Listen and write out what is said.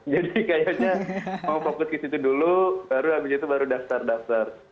jadi kayaknya mau fokus ke situ dulu baru abis itu baru daftar daftar